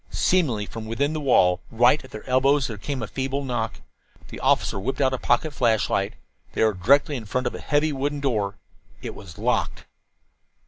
Seemingly from within the wall, right at their elbows, there came a feeble knock. The officer whipped out a pocket flashlight. They were directly in front of a heavy wooden door. It was locked.